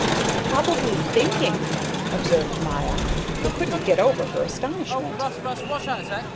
"Probably thinking," observed Maya, who couldn't get over her astonishment.